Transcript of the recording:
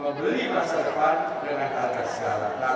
membeli masa depan dengan angka sekarang